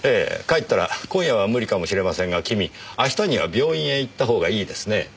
帰ったら今夜は無理かもしれませんが君明日には病院へ行った方がいいですね。